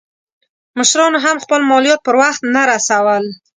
مشرانو هم خپل مالیات پر وخت نه رسول.